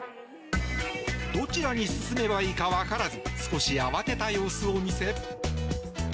どちらに進めばいいかわからず少し慌てた様子を見せ。